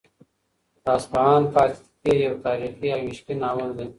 د اصفهان فاتح یو تاریخي او عشقي ناول دی.